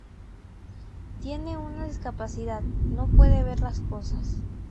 Tiene una discapacidad: no puede ver las cosas.